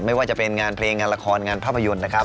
ไม่ว่าจะเป็นงานเพลงงานละครงานภาพยนตร์นะครับ